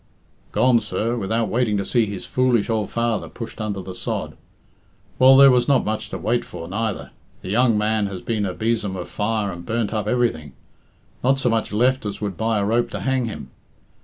"Gone, sir, without waiting to see his foolish ould father pushed under the sod. Well, there was not much to wait for neither. The young man has been a besom of fire and burnt up everything. Not so much left as would buy a rope to hang him.